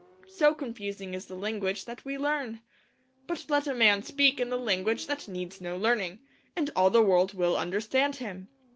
So confusing is the language that we learn! But let a man speak in the language that needs no learning; and all the world will understand him.